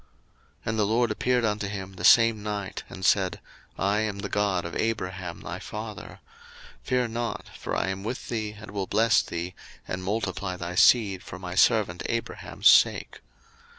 01:026:024 And the LORD appeared unto him the same night, and said, I am the God of Abraham thy father: fear not, for I am with thee, and will bless thee, and multiply thy seed for my servant Abraham's sake.